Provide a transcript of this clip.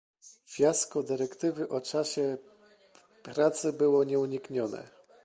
Fiasko dyrektywy o czasie pracy było nieuniknione